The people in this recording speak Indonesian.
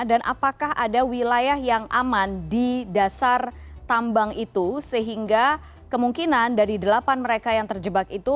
dan apakah ada wilayah yang aman di dasar tambang itu sehingga kemungkinan dari delapan mereka yang terjebak itu